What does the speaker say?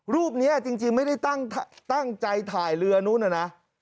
รูปนี้จริงไม่ได้ตั้งใจถ่ายเรือนู้นนะนะ